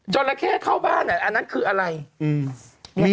จอหละเข้เข้าบ้านอันนั้นคืออะไร